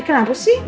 eh kenapa sih